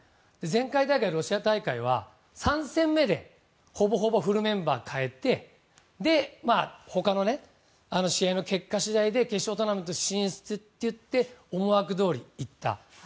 前回大会、ロシア大会は３戦目でほぼほぼフルメンバーを代えて他の試合の結果次第で決勝トーナメント進出といって思惑どおりいった。